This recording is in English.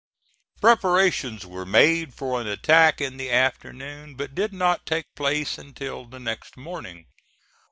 Preparations were made for an attack in the afternoon, but did not take place until the next morning.